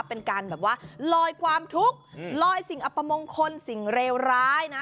เป็นการแบบว่าลอยความทุกข์ลอยสิ่งอัปมงคลสิ่งเลวร้ายนะ